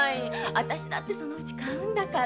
私だってそのうち買うんだから。